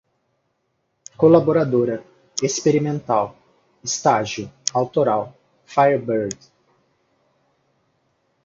colaboradora, experimental, estágio, autoral, firebird